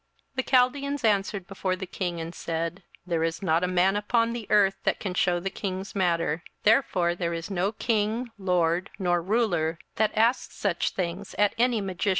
27:002:010 The Chaldeans answered before the king, and said, There is not a man upon the earth that can shew the king's matter: therefore there is no king, lord, nor ruler, that asked such things at any magician, or astrologer, or Chaldean.